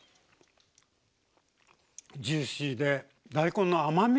ジューシーで大根の甘み感じますね。